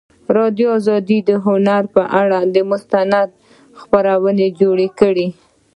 ازادي راډیو د هنر پر اړه مستند خپرونه چمتو کړې.